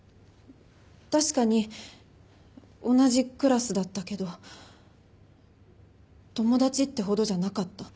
確かに同じクラスだったけど友達ってほどじゃなかった。